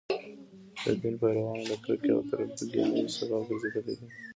د دین پیروانو د کرکې او تربګنیو سبب ګرځېدلي دي.